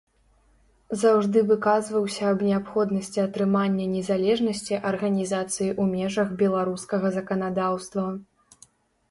Заўжды выказваўся аб неабходнасці атрымання незалежнасці арганізацыі ў межах беларускага заканадаўства.